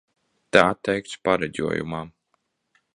Tā teikts pareģojumā.